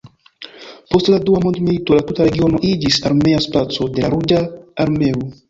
Post la Dua mondmilito la tuta regiono iĝis armea spaco de la Ruĝa Armeo.